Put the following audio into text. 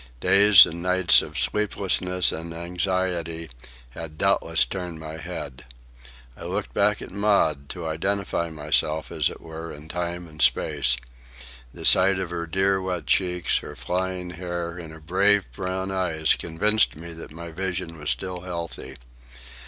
Days and nights of sleeplessness and anxiety had doubtless turned my head. I looked back at Maud, to identify myself, as it were, in time and space. The sight of her dear wet cheeks, her flying hair, and her brave brown eyes convinced me that my vision was still healthy.